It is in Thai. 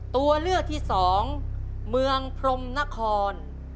ตัวเลือกที่สองเมืองพรมนคร